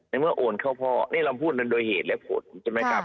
ในเมื่อโอนเข้าพ่อนี่เราพูดนั้นโดยเหตุเลย